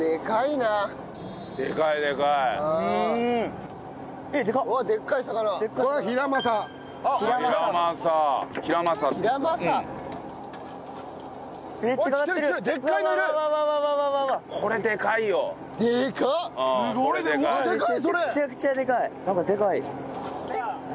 なんかでかい。